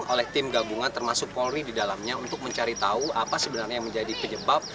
oleh tim gabungan termasuk polri di dalamnya untuk mencari tahu apa sebenarnya yang menjadi penyebab